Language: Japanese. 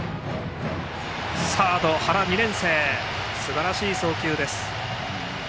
サードの原、２年生すばらしい送球でした。